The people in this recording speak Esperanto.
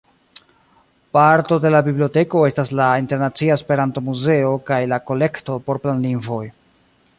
Parto de la biblioteko estas la Internacia Esperanto-Muzeo kaj la Kolekto por Planlingvoj.